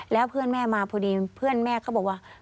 แล้วเพื่อนแม่มาพอดีเพื่อนแม่ก็บอกว่า